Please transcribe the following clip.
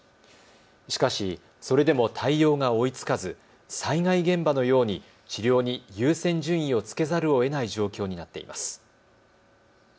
しかし、それでも対応が追いつかず災害現場のように治療に優先順位をつけざるをえない状況になっています。